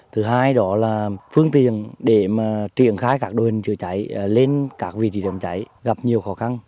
thứ hai đó là phương tiện để triển khai các đồ hình chữa cháy lên các vị trí đám cháy gặp nhiều khó khăn